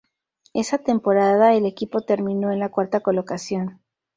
Esa temporada el equipo terminó en la cuarta colocación.